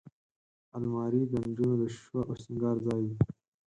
الماري د نجونو د شیشو او سینګار ځای وي